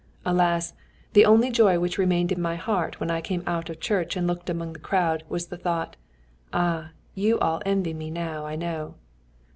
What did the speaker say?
Alas! the only joy which remained in my heart when I came out of church and looked among the crowd was the thought, 'Ah! you all envy me, I know!'